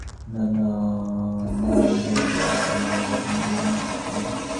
Mnangagwa একসময় Robert মুগাবের মিত্র ছিলেন।